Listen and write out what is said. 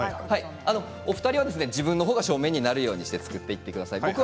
お二人は、自分のほうが正面になるように作ってください。